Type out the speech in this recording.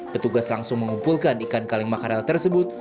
petugas langsung mengumpulkan ikan kaleng makarel tersebut